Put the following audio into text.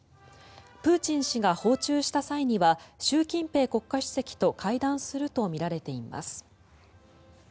プーチン氏が訪中した際には習近平国家主席と会談するとみられています。